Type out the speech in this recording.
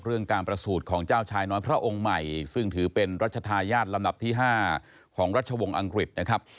การประสูจน์ของเจ้าชายน้อยพระองค์ใหม่ซึ่งถือเป็นรัชธาญาติลำดับที่๕ของรัชวงศ์อังกฤษนะครับ